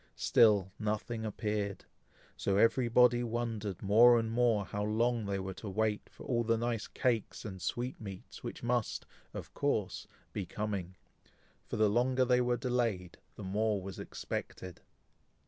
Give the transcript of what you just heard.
Still nothing appeared; so every body wondered more and more how long they were to wait for all the nice cakes and sweetmeats which must, of course, be coming; for the longer they were delayed, the more was expected.